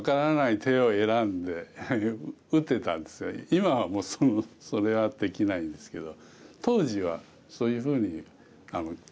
今はもうそれはできないんですけど。